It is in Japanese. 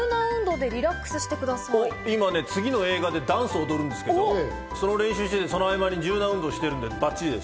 今、次の映画でダンスを踊るんですけど、その練習してて、その合間に柔軟運動をしてるんでバッチリです。